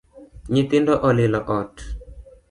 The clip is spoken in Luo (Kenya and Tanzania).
Nythindo olilo ot